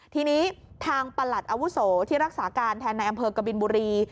ทีนี้ทางประหลัดอาวุโสที่รักษาการแทนในอำเภอกบินบุรี